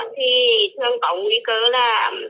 thì thường có nguy cơ là